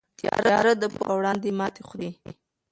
تیاره د پوهې په وړاندې ماتې خوري.